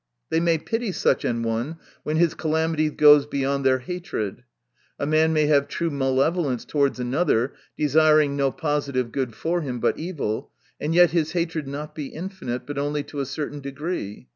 They may pity such a one when his calamity goes beyond their hatred. A man may have true malevolence towards another, desiring no positive good for him, but evil ; and yet his hatred not be infinite, but only to a certain degree.